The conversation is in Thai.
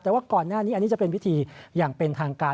แต่ว่าก่อนหน้านี้อันนี้จะเป็นพิธีอย่างเป็นทางการ